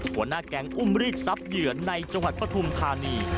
หัวหน้าแก๊งอุ้มรีดทรัพย์เหยื่อในจังหวัดปฐุมธานี